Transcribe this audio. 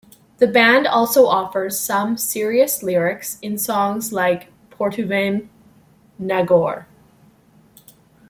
The band also offers some serious lyrics in songs like Potuvane nagore!